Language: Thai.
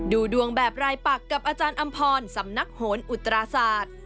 ดูดวงแบบรายปักกับอาจารย์อำพรสำนักโหนอุตราศาสตร์